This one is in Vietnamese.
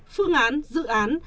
phương án dự án